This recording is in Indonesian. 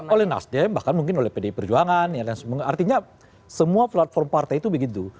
oleh nasdem bahkan mungkin oleh pdi perjuangan artinya semua platform partai itu begitu